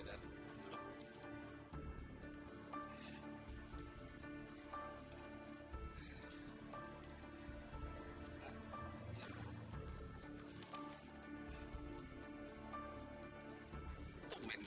teman teman kalian harus berbincang